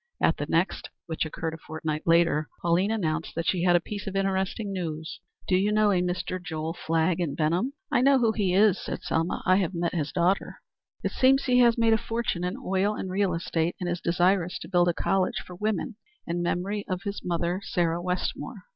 At the next, which occurred a fortnight later, Pauline announced that she had a piece of interesting news. "Do you know a Mr. Joel Flagg in Benham?" "I know who he is," said Selma. "I have met his daughter." "It seems he has made a fortune in oil and real estate, and is desirous to build a college for women in memory of his mother, Sarah Wetmore.